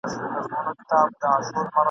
د دې نظريې په کلکه ملاتړ وکئ